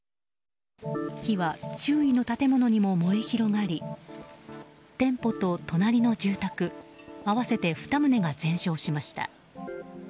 火は周囲の建物にも燃え広がり店舗と隣の住宅合わせて２棟が全焼しました。